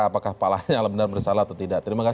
apakah pak lanyala benar bersalah atau tidak terima kasih